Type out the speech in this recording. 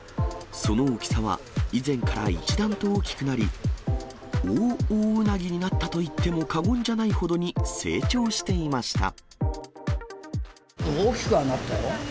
その大きさは、以前から一段と大きくなり、大オオウナギになったと言っても過言じゃないほどに成長していま大きくはなったよ。